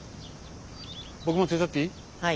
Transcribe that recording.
僕も手伝っていい？